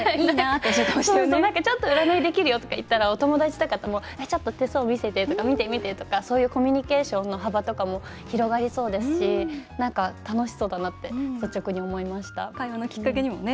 ちょっと占いできるよとか言ったらお友達とかとも手相を見せてとか、見てとかコミュニケーションの幅が広がりそうですし楽しそうだなって率直に思いました。